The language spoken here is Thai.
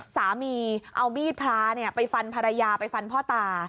สามีเอามีดพระไปฟันภรรยาไปฟันพ่อตา